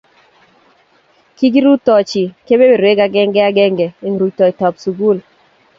kikirutochi kebeberwek agenge agenge eng' rutoitab sukul.